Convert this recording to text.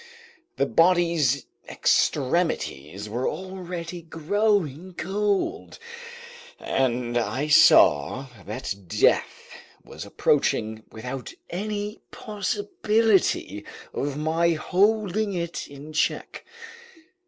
The body's extremities were already growing cold, and I saw that death was approaching without any possibility of my holding it in check.